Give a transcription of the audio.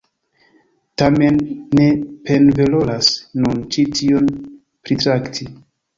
Tamen, ne penvaloras nun ĉi tion pritrakti.